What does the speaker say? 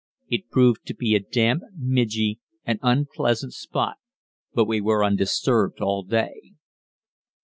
It proved to be a damp, midgy, and unpleasant spot, but we were undisturbed all day.